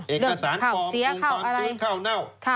เอกสารปลอมตรงตอนจุดเข้าเน่า